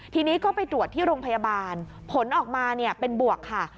ทีนี้ก็ไปตรวจที่โรงพยาบาลผลออกมาเป็นบวกค่ะ